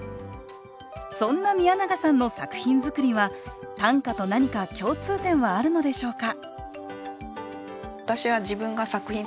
そんな宮永さんの作品作りは短歌と何か共通点はあるのでしょうか